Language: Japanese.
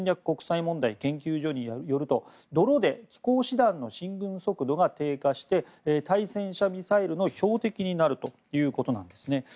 国際問題研究所によると泥で機甲師団の進軍速度が低下して対戦車ミサイルの標的になるということなんですね。